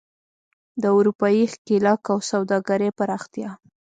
د اروپايي ښکېلاک او سوداګرۍ پراختیا.